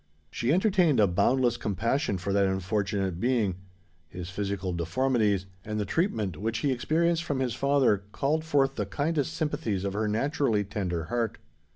She entertained a boundless compassion for that unfortunate being. His physical deformities, and the treatment which he experienced from his father, called forth the kindest sympathies of her naturally tender heart.